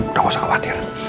udah gak usah khawatir